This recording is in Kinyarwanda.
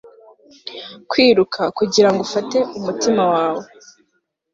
kwiruka kugirango ufate umutima wawe